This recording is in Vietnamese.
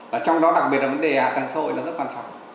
và trong đó đặc biệt là vấn đề hạ tầng xã hội là rất quan trọng